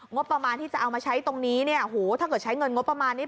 งบประมาณที่จะเอามาใช้ตรงนี้เนี่ยโหถ้าเกิดใช้เงินงบประมาณนี้